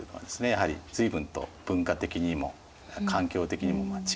やはり随分と文化的にも環境的にも違うわけですね。